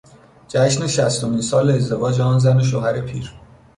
جشن شصتمین سال ازدواج آن زن و شوهر پیر